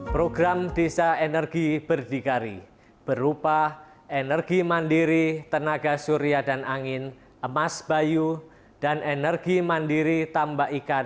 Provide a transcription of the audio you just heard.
program desa energi berdikari berupa energi mandiri tenaga surya dan angin emas bayu dan energi mandiri tambah ikan